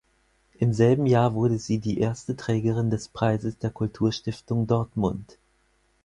Im selben Jahr wurde sie die erste Trägerin des Preises der Kulturstiftung Dortmund.